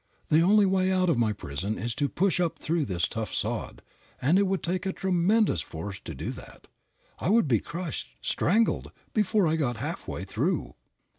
The only way out of my prison is to push up through this tough sod, and it would take a tremendous force to do that. I would be crushed, strangled, before I got half way through."